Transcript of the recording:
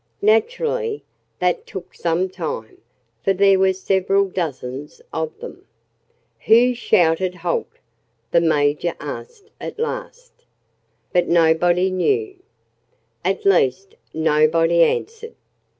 Naturally, that took some time, for there were several dozens of them. "Who shouted 'Halt?'" the Major asked at last. But nobody knew. At least, nobody answered.